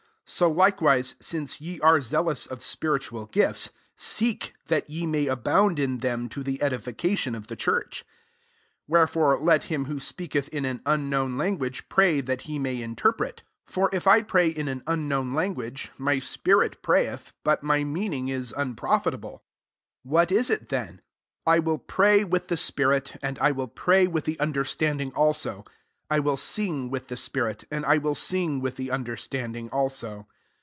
12 So likewise, since ye are zeal ous of spiritual gifts, seek that ye may abound in them to the edification of the church. 13 Wherefore, let him who speak eth in an unknown language pray that he may interpret. 14 For if I pray in an unknown lan guage, my spirit prayeth, but my meaning is unprofitable. 15 What is it then? I will pray with the spirit, and I will pray with the understanding also : I will sing with the spirit, and I will sing with the under standing also.